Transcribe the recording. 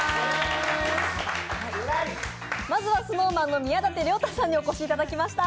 まずはＳｎｏｗＭａｎの宮舘涼太さんにお越しいただきました。